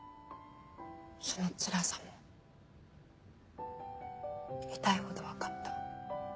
そのつらさも痛いほど分かった。